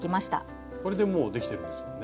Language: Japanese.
これでもうできてるんですもんね。